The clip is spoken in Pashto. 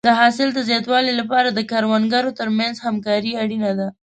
د حاصل د زیاتوالي لپاره د کروندګرو ترمنځ همکاري اړینه ده.